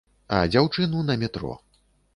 А, дзяўчыну на метро.